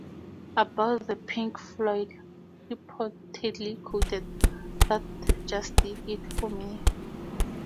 About the Pink Floyd, he reportedly quoted: That just did it for me.